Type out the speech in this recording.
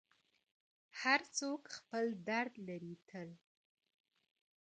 • هر څوک خپل درد لري تل,